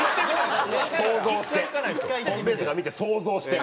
想像して。